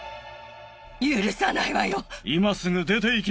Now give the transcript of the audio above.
許さないわよ！